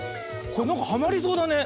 これなんかはまりそうだね。